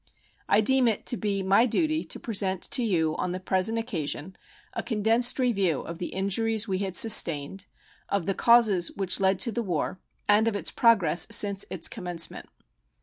I deem it to be my duty to present to you on the present occasion a condensed review of the injuries we had sustained, of the causes which led to the war, and of its progress since its commencement.